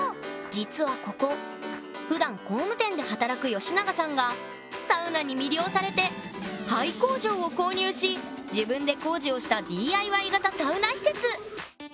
実はここふだん工務店で働く吉永さんがサウナに魅了されて廃工場を購入し自分で工事をしたＤＩＹ型サウナ施設！